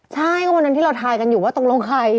ใช่ก็วันนั้นที่เราทายกันอยู่ว่าตกลงใคร